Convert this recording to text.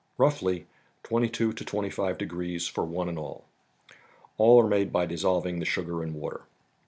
Roughly, twenty two to twenty five de¬ grees for one and all. All are made by dissolving the sugar in water.